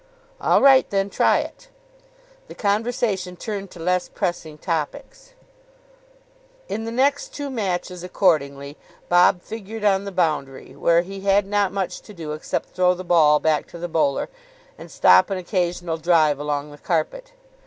"All right then. Try it." The conversation turned to less pressing topics. In the next two matches, accordingly, Bob figured on the boundary, where he had not much to do except throw the ball back to the bowler, and stop an occasional drive along the carpet.